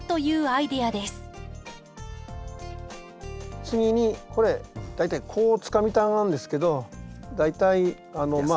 次にこれ大体こうつかみたがるんですけど大体まあ。